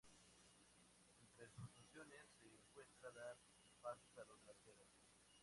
Entre sus funciones, se encuentra dar pases a los delanteros.